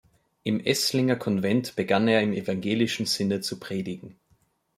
Im Esslinger Konvent begann er im evangelischen Sinne zu predigen.